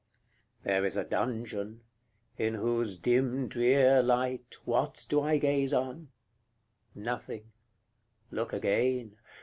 CXLVIII. There is a dungeon, in whose dim drear light What do I gaze on? Nothing: Look again!